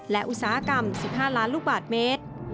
และอุตสาหกรรม๑๕ล้านลูกบาทเมตร